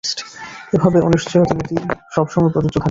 এভাবে অনিশ্চয়তা নীতি সবসময়ই প্রযোজ্য থাকবে।